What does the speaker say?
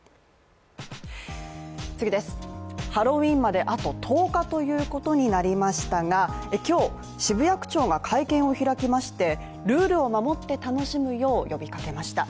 ハロウィーンまであと１０日ということになりましたが、今日、渋谷区長が会見を開きましてルールを守って楽しむよう呼びかけました。